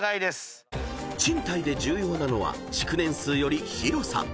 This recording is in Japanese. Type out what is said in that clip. ［賃貸で重要なのは築年数より広さ］